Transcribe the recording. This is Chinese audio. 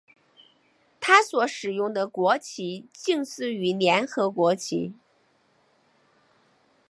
它所使用的国旗近似于联合国旗。